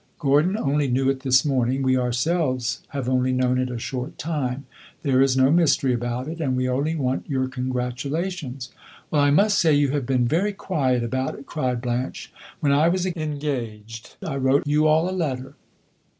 Gordon only knew it this morning; we ourselves have only known it a short time. There is no mystery about it, and we only want your congratulations." "Well, I must say you have been very quiet about it!" cried Blanche. "When I was engaged, I wrote you all a letter."